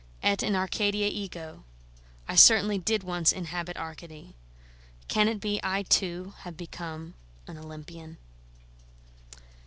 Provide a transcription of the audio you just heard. Et in Arcadia ego, I certainly did once inhabit Arcady. Can it be I too have become an Olympian?